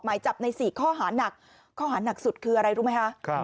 หมายจับใน๔ข้อหานักข้อหานักสุดคืออะไรรู้ไหมคะ